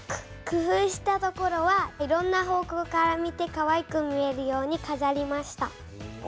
工夫したところはいろんな方向から見てかわいく見えるようにかざりました。